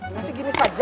masih gini saja